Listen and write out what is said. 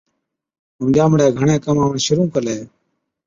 ائُون ڄامڙَي گھڻَي ڪماوَڻ شرُوع ڪلَي۔